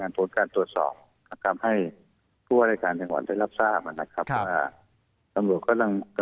และตำรวจฟูทธรจังหวัดซุธนธรและฟรฟรศกอสดงโลการตรวจสอบ